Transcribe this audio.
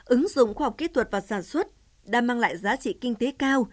ứng dụng khoa học kỹ thuật và sản xuất đã mang lại giá trị kinh tế cao